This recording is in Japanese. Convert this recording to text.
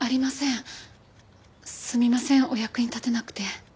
すみませんお役に立てなくて。